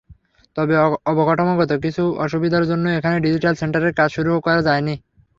তবে অবকাঠামোগত কিছু অসুবিধার জন্য এখনো ডিজিটাল সেন্টারের কাজ শুরু করা যায়নি।